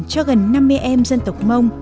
cho gần năm mươi em dân tộc mông